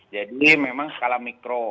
jadi memang skala mikro